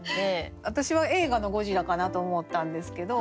私は映画の「ゴジラ」かなと思ったんですけど。